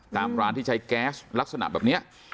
ตามร้านที่ใช้แก๊สลักษณะแบบนี้